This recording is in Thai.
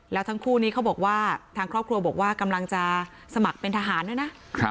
แล้วทั้งคู่นี้เขาบอกว่าทางครอบครัวบอกว่ากำลังจะสมัครเป็นทหารด้วยนะ